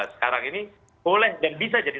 sekarang ini boleh dan bisa jadi